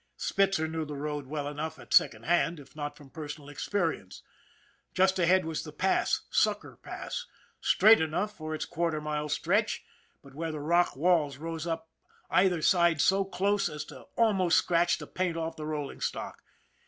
Spitzer knew the road well enough at second hand, if not from personal experience. Just ahead was The Pass Sucker Pass straight enough for its quarter mile stretch, but where the rock walls rose up on either side so close as to almost scratch the paint off the rolling stock.